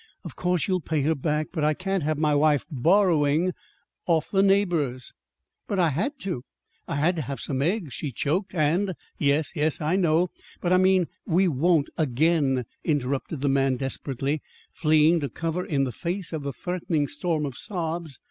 "Of course you'll pay her back; but I can't have my wife borrowing of the neighbors!" "But I had to! I had to have some eggs," she choked, "and " "Yes, yes, I know. But I mean, we won't again," interrupted the man desperately, fleeing to cover in the face of the threatening storm of sobs.